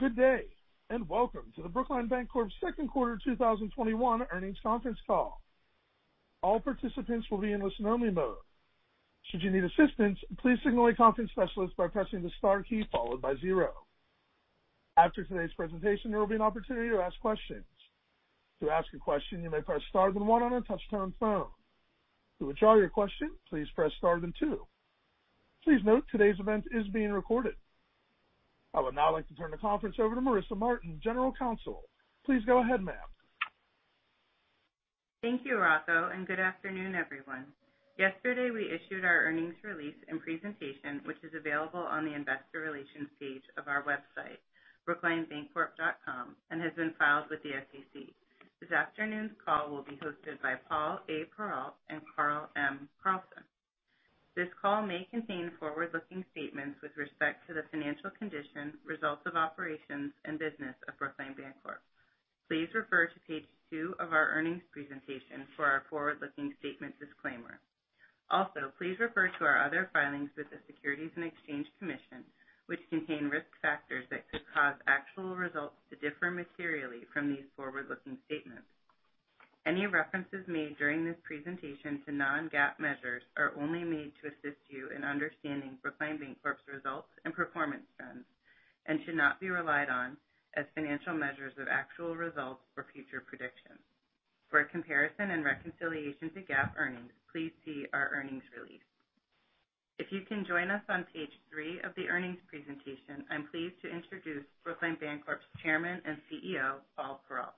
Good day, and welcome to the Brookline Bancorp second quarter 2021 earnings conference call. I would now like to turn the conference over to Marissa Martin, General Counsel. Please go ahead, ma'am. Thank you, Rocco, good afternoon, everyone. Yesterday, we issued our earnings release and presentation, which is available on the investor relations page of our website, brooklinebancorp.com, and has been filed with the SEC. This afternoon's call will be hosted by Paul A. Perrault and Carl M. Carlson. This call may contain forward-looking statements with respect to the financial condition, results of operations, and business of Brookline Bancorp. Please refer to page two of our earnings presentation for our forward-looking statement disclaimer. Please refer to our other filings with the Securities and Exchange Commission, which contain risk factors that could cause actual results to differ materially from these forward-looking statements. Any references made during this presentation to non-GAAP measures are only made to assist you in understanding Brookline Bancorp's results and performance trends, and should not be relied on as financial measures of actual results or future predictions. For a comparison and reconciliation to GAAP earnings, please see our earnings release. If you can join us on page three of the earnings presentation, I'm pleased to introduce Brookline Bancorp's Chairman and CEO, Paul Perrault.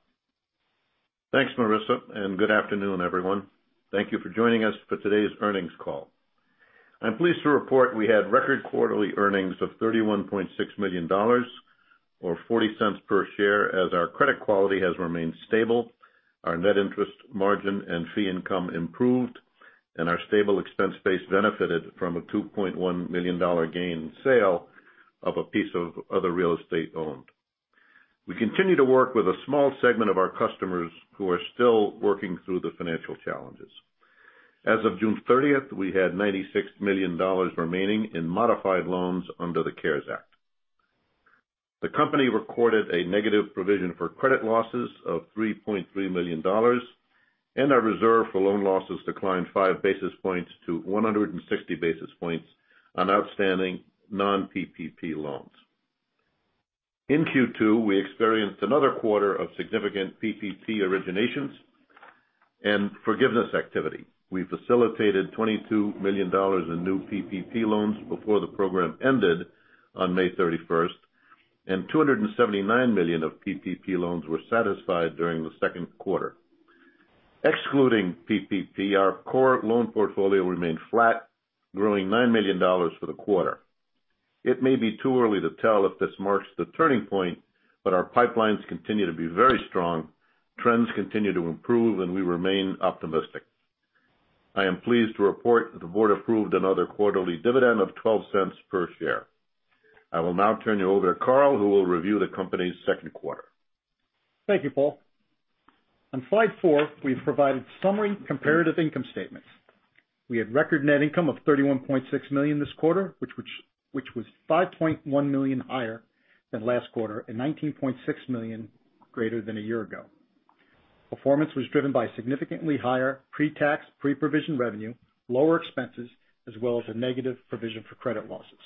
Thanks, Marissa. Good afternoon, everyone. Thank you for joining us for today's earnings call. I'm pleased to report we had record quarterly earnings of $31.6 million, or $0.40 per share, as our credit quality has remained stable, our net interest margin and fee income improved, and our stable expense base benefited from a $2.1 million gain sale of a piece of other real estate owned. We continue to work with a small segment of our customers who are still working through the financial challenges. As of June 30th, we had $96 million remaining in modified loans under the CARES Act. The company recorded a negative provision for credit losses of $3.3 million. Our reserve for loan losses declined 5 basis points to 160 basis points on outstanding non-PPP loans. In Q2, we experienced another quarter of significant PPP originations and forgiveness activity. We facilitated $22 million in new PPP loans before the program ended on May 31st. $279 million of PPP loans were satisfied during the second quarter. Excluding PPP, our core loan portfolio remained flat, growing $9 million for the quarter. It may be too early to tell if this marks the turning point. Our pipelines continue to be very strong, trends continue to improve, and we remain optimistic. I am pleased to report that the board approved another quarterly dividend of $0.12 per share. I will now turn you over to Carl, who will review the company's second quarter. Thank you, Paul. On slide four, we've provided summary comparative income statements. We had record net income of $31.6 million this quarter, which was $5.1 million higher than last quarter and $19.6 million greater than a year ago. Performance was driven by significantly higher pre-tax, pre-provision revenue, lower expenses, as well as a negative provision for credit losses.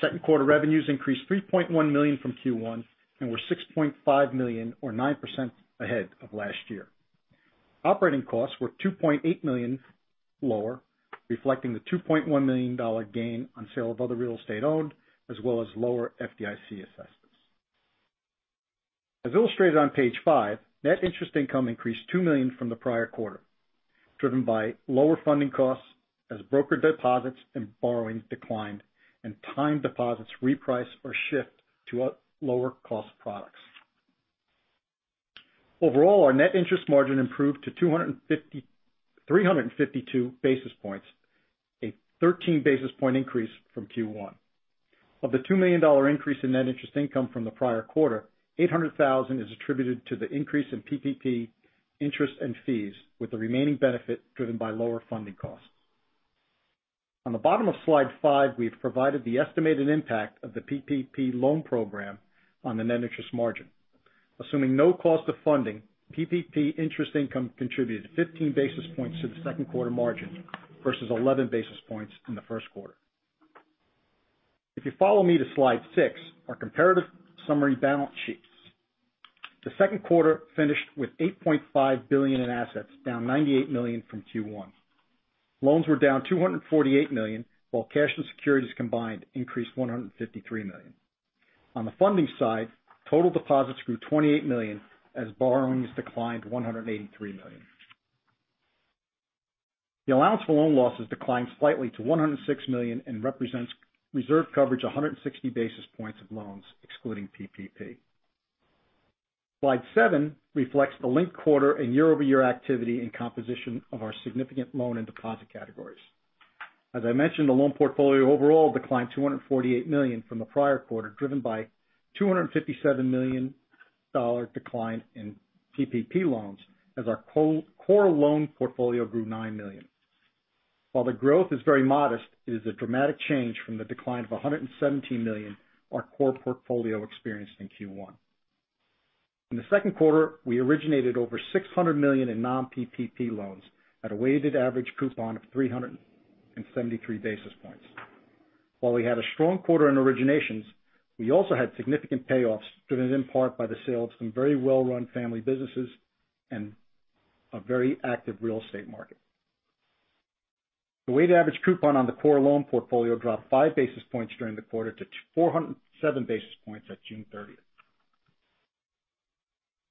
Second quarter revenues increased $3.1 million from Q1 and were $6.5 million or 9% ahead of last year. Operating costs were $2.8 million lower, reflecting the $2.1 million gain on sale of other real estate owned, as well as lower FDIC assessments. As illustrated on page five, net interest income increased $2 million from the prior quarter, driven by lower funding costs as broker deposits and borrowings declined and time deposits reprice or shift to lower cost products. Overall, our net interest margin improved to 352 basis points, a 13 basis point increase from Q1. Of the $2 million increase in net interest income from the prior quarter, $800,000 is attributed to the increase in PPP interest and fees, with the remaining benefit driven by lower funding costs. On the bottom of slide five, we've provided the estimated impact of the PPP loan program on the net interest margin. Assuming no cost of funding, PPP interest income contributed 15 basis points to the second quarter margin versus 11 basis points in the first quarter. If you follow me to slide 6, our comparative summary balance sheets. The second quarter finished with $8.5 billion in assets, down $98 million from Q1. Loans were down $248 million, while cash and securities combined increased $153 million. On the funding side, total deposits grew $28 million as borrowings declined $183 million. The allowance for loan losses declined slightly to $106 million and represents reserve coverage 160 basis points of loans excluding PPP. Slide seven reflects the linked quarter and year-over-year activity and composition of our significant loan and deposit categories. As I mentioned, the loan portfolio overall declined $248 million from the prior quarter, driven by $257 million decline in PPP loans as our core loan portfolio grew $9 million. While the growth is very modest, it is a dramatic change from the decline of $117 million our core portfolio experienced in Q1. In the second quarter, we originated over $600 million in non-PPP loans at a weighted average coupon of 373 basis points. While we had a strong quarter in originations, we also had significant payoffs driven in part by the sale of some very well-run family businesses and a very active real estate market. The weighted average coupon on the core loan portfolio dropped 5 basis points during the quarter to 407 basis points at June 30th.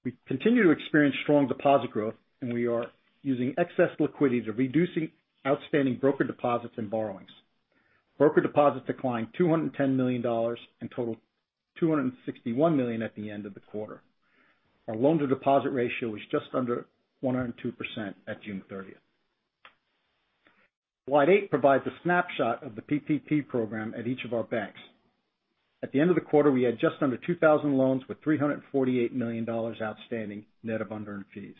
We continue to experience strong deposit growth, and we are using excess liquidity to reducing outstanding broker deposits and borrowings. Broker deposits declined $210 million and totaled $261 million at the end of the quarter. Our loan-to-deposit ratio was just under 102% at June 30th. Slide eight provides a snapshot of the PPP program at each of our banks. At the end of the quarter, we had just under 2,000 loans with $348 million outstanding, net of unearned fees.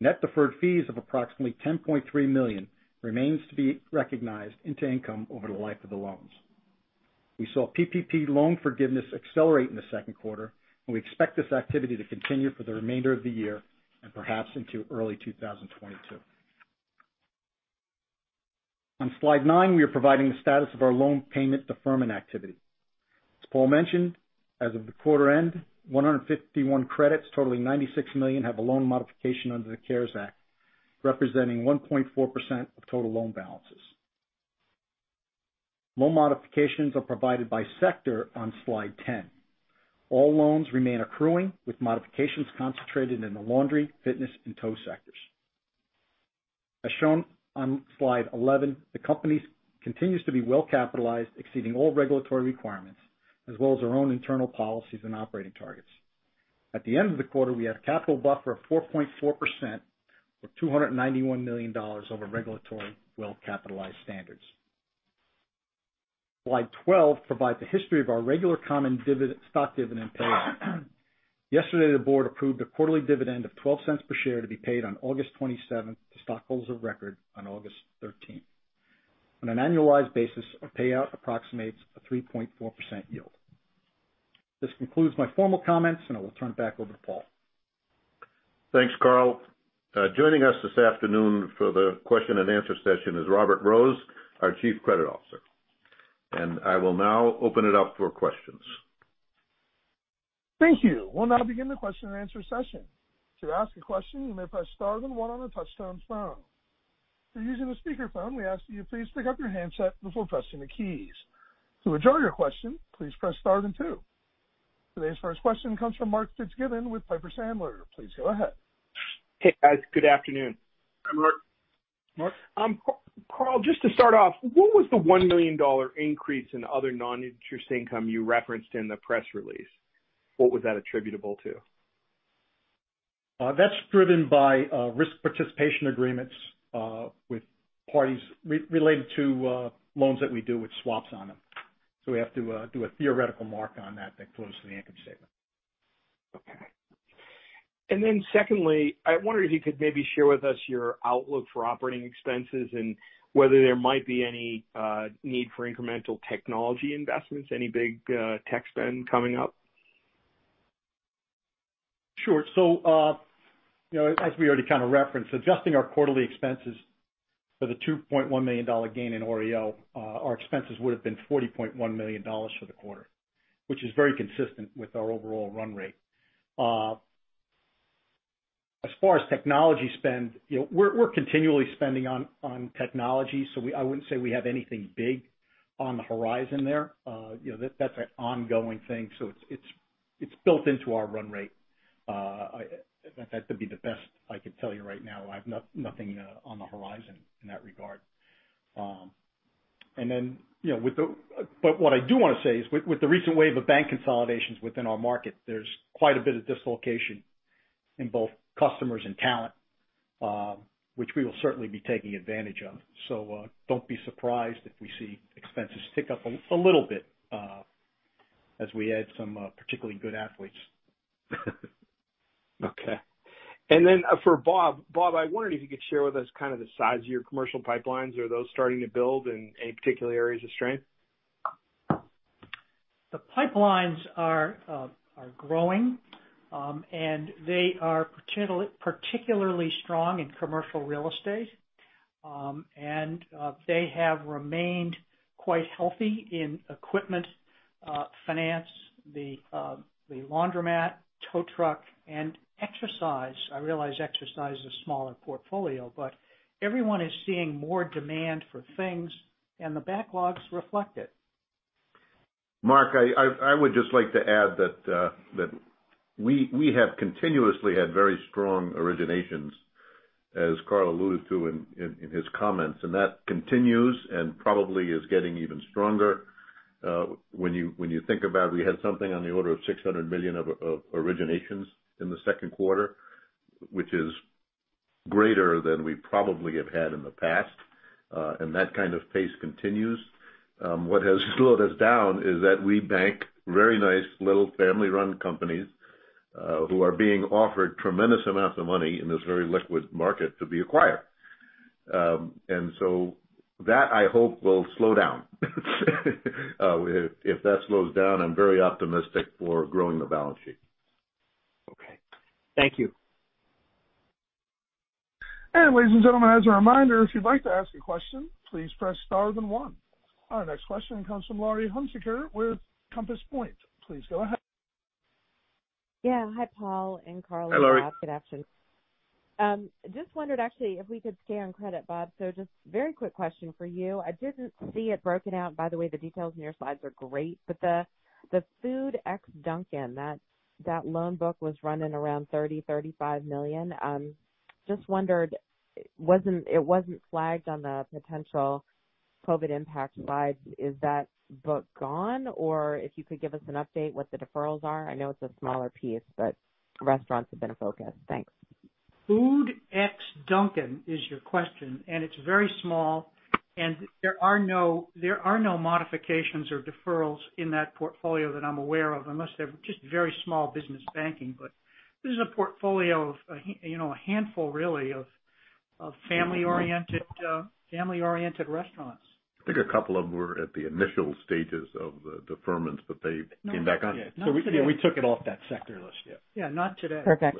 Net deferred fees of approximately $10.3 million remains to be recognized into income over the life of the loans. We saw PPP loan forgiveness accelerate in the second quarter, and we expect this activity to continue for the remainder of the year and perhaps into early 2022. On slide nine, we are providing the status of our loan payment deferment activity. As Paul mentioned, as of the quarter end, 151 credits totaling $96 million have a loan modification under the CARES Act, representing 1.4% of total loan balances. Loan modifications are provided by sector on slide 10. All loans remain accruing, with modifications concentrated in the laundry, fitness, and tow sectors. As shown on slide 11, the company continues to be well-capitalized, exceeding all regulatory requirements as well as our own internal policies and operating targets. At the end of the quarter, we had a capital buffer of 4.4%, or $291 million over regulatory well-capitalized standards. Slide 12 provides the history of our regular common stock dividend payout. Yesterday, the board approved a quarterly dividend of $0.12 per share to be paid on August 27th to stockholders of record on August 13th. On an annualized basis, our payout approximates a 3.4% yield. This concludes my formal comments, and I will turn it back over to Paul. Thanks, Carl. Joining us this afternoon for the question and answer session is Robert Rose, our Chief Credit Officer. I will now open it up for questions. Thank you. We'll now begin the question and answer session. To ask a question, you may press star then one on the touchtone phone. If you're using a speakerphone, we ask that you please pick up your handset before pressing the keys. To withdraw your question, please press star then two. Today's first question comes from Mark Fitzgibbon with Piper Sandler. Please go ahead. Hey, guys. Good afternoon. Hi, Mark. Mark. Carl, just to start off, what was the $1 million increase in other non-interest income you referenced in the press release? What was that attributable to? That's driven by risk participation agreements with parties related to loans that we do with swaps on them. We have to do a theoretical mark on that flows to the income statement. Okay. Secondly, I wonder if you could maybe share with us your outlook for operating expenses and whether there might be any need for incremental technology investments, any big tech spend coming up? Sure. As we already kind of referenced, adjusting our quarterly expenses for the $2.1 million gain in OREO, our expenses would've been $40.1 million for the quarter, which is very consistent with our overall run rate. As far as technology spend, we're continually spending on technology, so I wouldn't say we have anything big on the horizon there. That's an ongoing thing, so it's built into our run rate. In fact, that'd be the best I could tell you right now. I have nothing on the horizon in that regard. What I do want to say is with the recent wave of bank consolidations within our market, there's quite a bit of dislocation in both customers and talent, which we will certainly be taking advantage of. Don't be surprised if we see expenses tick up a little bit as we add some particularly good athletes. Okay. Then for Bob. Bob, I wondered if you could share with us kind of the size of your commercial pipelines. Are those starting to build in any particular areas of strength? The pipelines are growing, and they are particularly strong in commercial real estate. They have remained quite healthy in equipment finance, the laundromat, tow truck, and exercise. I realize exercise is a smaller portfolio, but everyone is seeing more demand for things, and the backlogs reflect it. Mark, I would just like to add that we have continuously had very strong originations, as Carl alluded to in his comments, that continues and probably is getting even stronger. When you think about we had something on the order of $600 million of originations in the second quarter, which is greater than we probably have had in the past. That kind of pace continues. What has slowed us down is that we bank very nice little family-run companies who are being offered tremendous amounts of money in this very liquid market to be acquired. That I hope will slow down. If that slows down, I'm very optimistic for growing the balance sheet. Okay. Thank you. Ladies and gentlemen, as a reminder, if you'd like to ask a question, please press star then one. Our next question comes from Laurie Hunsicker with Compass Point. Please go ahead. Yeah. Hi, Paul and Carl and Bob. Hi, Laurie. Good afternoon. Just wondered actually if we could stay on credit, Bob. Just very quick question for you. I didn't see it broken out. By the way, the details in your slides are great, but the food ex-Dunkin', that loan book was running around $30 million-$35 million. Just wondered, it wasn't flagged on the potential COVID impact slide. Is that book gone? If you could give us an update what the deferrals are. I know it's a smaller piece, but restaurants have been a focus. Thanks. Food ex-Dunkin' is your question, and it's very small, and there are no modifications or deferrals in that portfolio that I'm aware of, unless they're just very small business banking. This is a portfolio of a handful really of family-oriented restaurants. I think a couple of them were at the initial stages of the deferments, but they came back on. Not today. Yeah, we took it off that sector list, yeah. Yeah, not today. Perfect.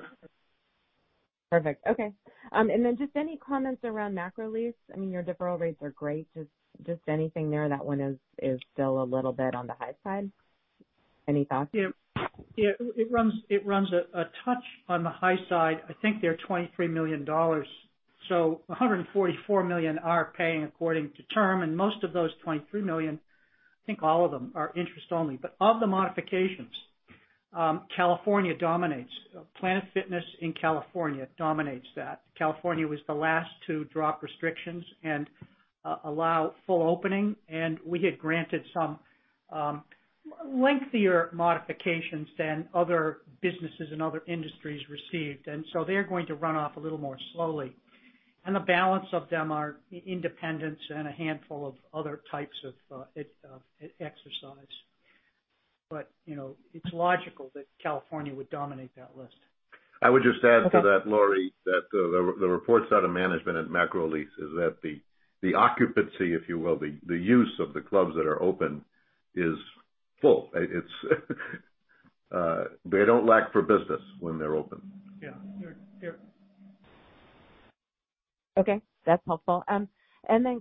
Okay. Just any comments around Macrolease? Your deferral rates are great. Just anything there, that one is still a little bit on the high side. Any thoughts? Yeah. It runs a touch on the high side. I think they're $23 million. $144 million are paying according to term, and most of those $23 million, I think all of them are interest only. Of the modifications, California dominates. Planet Fitness in California dominates that. California was the last to drop restrictions and allow full opening, we had granted some lengthier modifications than other businesses and other industries received. They're going to run off a little more slowly. The balance of them are independents and a handful of other types of exercise. It's logical that California would dominate that list. I would just add to that, Laurie, that the reports out of management at Macrolease is that the occupancy, if you will, the use of the clubs that are open is full. They don't lack for business when they're open. Yes. They are. Okay, that's helpful.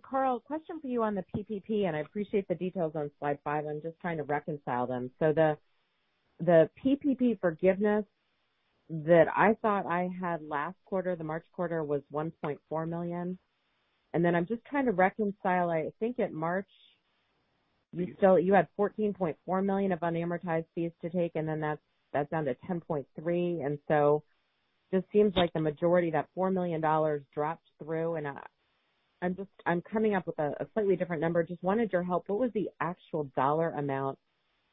Carl, question for you on the PPP, I appreciate the details on slide 5. I'm just trying to reconcile them. The PPP forgiveness that I thought I had last quarter, the March quarter, was $1.4 million. I'm just trying to reconcile, I think at March, you had $14.4 million of unamortized fees to take, and then that's down to $10.3 million. Just seems like the majority of that $4 million dropped through, I'm coming up with a slightly different number. Just wanted your help. What was the actual dollar amount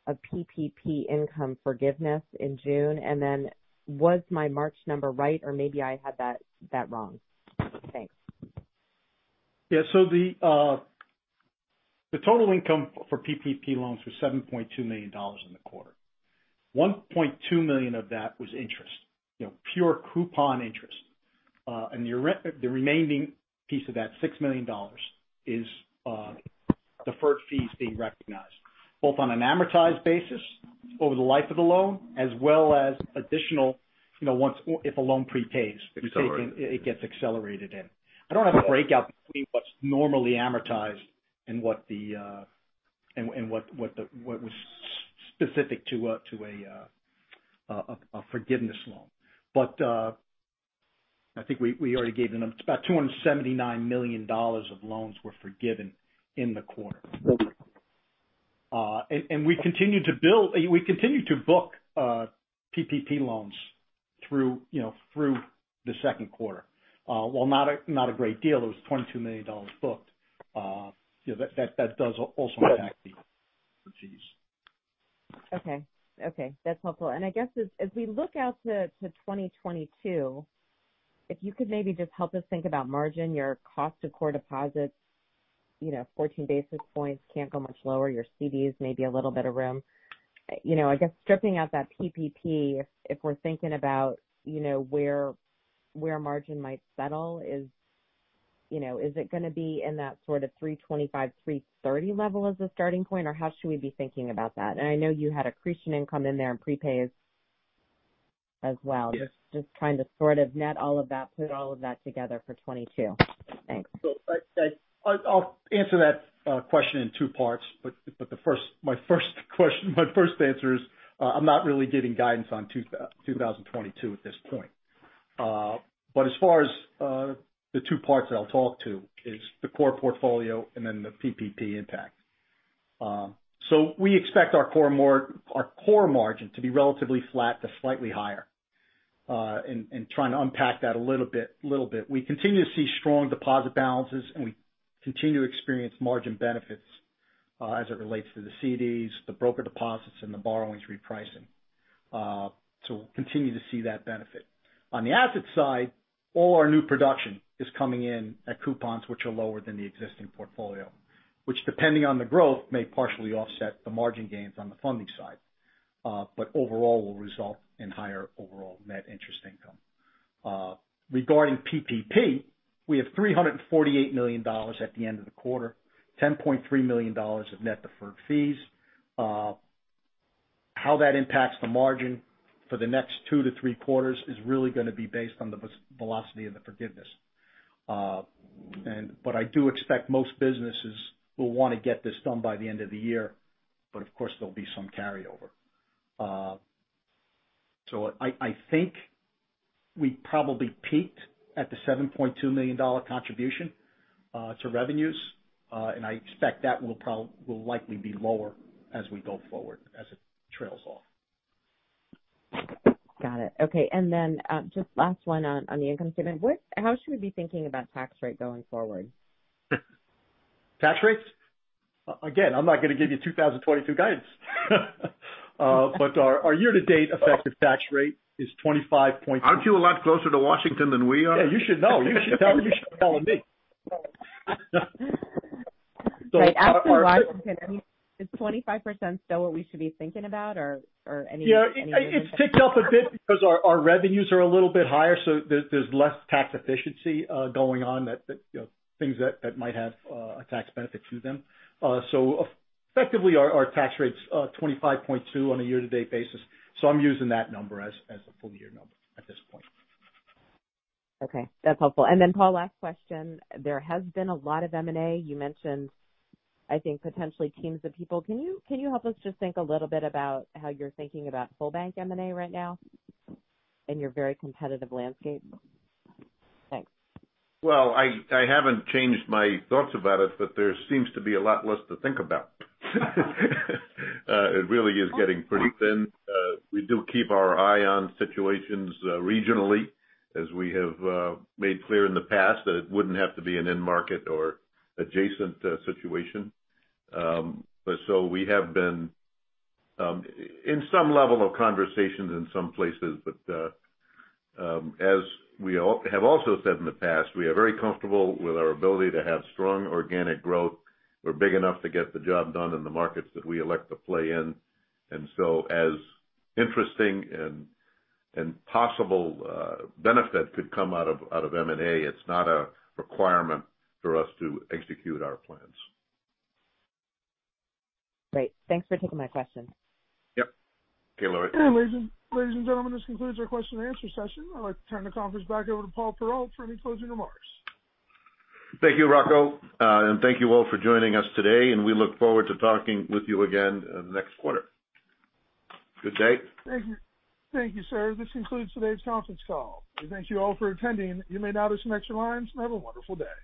of PPP income forgiveness in June? Was my March number right? Maybe I had that wrong? Thanks. Yeah. The total income for PPP loans was $7.2 million in the quarter. $1.2 million of that was interest. Pure coupon interest. The remaining piece of that, $6 million, is deferred fees being recognized both on an amortized basis over the life of the loan as well as additional if a loan prepays, you see it gets accelerated in. I don't have a breakout between what's normally amortized and what was specific to a forgiveness loan. I think we already gave the number. It's about $279 million of loans were forgiven in the quarter. We continued to book PPP loans through the second quarter. While not a great deal, it was $22 million booked. That does also impact the fees. Okay. That's helpful. I guess as we look out to 2022, if you could maybe just help us think about margin, your cost to core deposits, 14 basis points can't go much lower. Your CDs, maybe a little bit of room. I guess stripping out that PPP, if we're thinking about where margin might settle is it going to be in that sort of 325, 330 level as a starting point? How should we be thinking about that? I know you had accretion income in there and prepays as well. Just trying to sort of net all of that, put all of that together for 2022. Thanks. I'll answer that question in two parts, but my first answer is, I'm not really giving guidance on 2022 at this point. As far as the two parts that I'll talk to is the core portfolio and then the PPP impact. We expect our core margin to be relatively flat to slightly higher. In trying to unpack that a little bit. We continue to see strong deposit balances, and we continue to experience margin benefits as it relates to the CDs, the broker deposits, and the borrowings repricing. We'll continue to see that benefit. On the asset side, all our new production is coming in at coupons which are lower than the existing portfolio, which depending on the growth, may partially offset the margin gains on the funding side, overall will result in higher overall net interest income. Regarding PPP, we have $348 million at the end of the quarter, $10.3 million of net deferred fees. How that impacts the margin for the next two to three quarters is really going to be based on the velocity of the forgiveness. I do expect most businesses will want to get this done by the end of the year. Of course, there'll be some carryover. I think we probably peaked at the $7.2 million contribution to revenues. I expect that will likely be lower as we go forward, as it trails off. Got it. Okay. Just last one on the income statement. How should we be thinking about tax rate going forward? Tax rates? Again, I'm not going to give you 2022 guidance. Our year-to-date effective tax rate is 25% point. Aren't you a lot closer to Washington than we are? Yeah, you should know. You should be telling me. Right. Asking Washington, I mean, is 25% still what we should be thinking about or any indication? Yeah, it's ticked up a bit because our revenues are a little bit higher, so there's less tax efficiency going on that things that might have a tax benefit to them. Effectively our tax rate's 25.2% on a year-to-date basis, so I'm using that number as a full year number at this point. Okay, that's helpful. Paul, last question. There has been a lot of M&A. You mentioned, I think, potentially teams of people. Can you help us just think a little bit about how you're thinking about full bank M&A right now in your very competitive landscape? Thanks. Well, I haven't changed my thoughts about it. There seems to be a lot less to think about. It really is getting pretty thin. We do keep our eye on situations regionally as we have made clear in the past that it wouldn't have to be an end market or adjacent situation. We have been in some level of conversations in some places, but as we have also said in the past, we are very comfortable with our ability to have strong organic growth. We're big enough to get the job done in the markets that we elect to play in. As interesting and possible benefit could come out of M&A, it's not a requirement for us to execute our plans. Great. Thanks for taking my question. Yep. Okay, Laurie. Ladies and gentlemen, this concludes our question and answer session. I'd like to turn the conference back over to Paul Perrault for any closing remarks. Thank you, Rocco. Thank you all for joining us today, and we look forward to talking with you again next quarter. Good day. Thank you, sir. This concludes today's conference call. We thank you all for attending. You may now disconnect your lines and have a wonderful day.